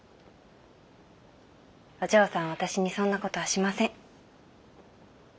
お嬢さんは私にそんな事はしません。